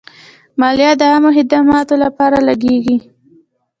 مالیه د عامه خدماتو لپاره لګیږي.